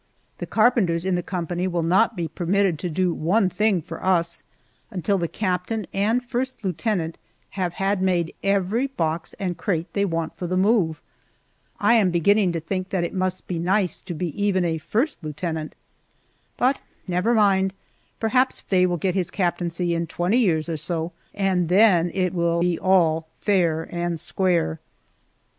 The carpenters in the company will not be permitted to do one thing for us until the captain and first lieutenant have had made every box and crate they want for the move. I am beginning to think that it must be nice to be even a first lieutenant. But never mind, perhaps Faye will get his captaincy in twenty years or so, and then it will be all "fair and square."